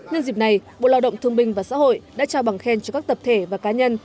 nhân dịp này bộ lao động thương binh và xã hội đã trao bằng khen cho các tập thể và cá nhân